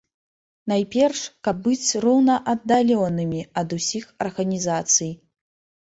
Найперш, каб быць роўнааддаленымі ад усіх арганізацый.